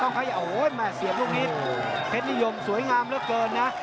โอ้ยแม่เสียบลูกนี้เพชรนิยมสวยงามเหลือเกินนะ